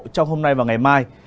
trong hôm nay và ngày mai